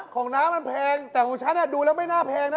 ของน้ำมันแพงแต่ของฉันดูแล้วไม่น่าแพงนะ